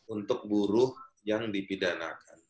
untuk buruh yang dipidanakan